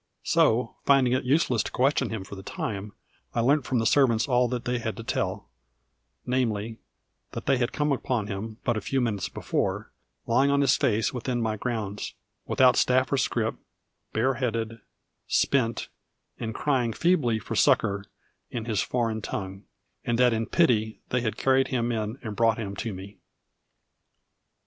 So, finding it useless to question him for the time, I learnt from the servants all they had to tell namely, that they had come upon him, but a few minutes before, lying on his face within my grounds, without staff or scrip, bareheaded, spent, and crying feebly for succour in his foreign tongue; and that in pity they had carried him in and brought him to me.